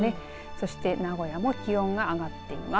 そして名古屋も気温が上がっています。